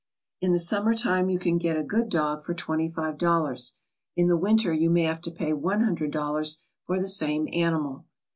In the summer time you can get a good dog for twenty five dollars. In the winter you may have to pay one hundred dollars for the same animal.